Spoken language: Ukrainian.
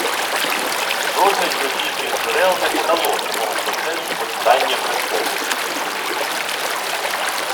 Жодне з російських джерел не подало самого процесу посідання престолу